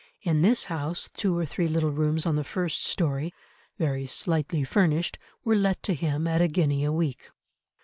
In this house two or three little rooms on the first storey, very slightly furnished, were let to him at a guinea a week.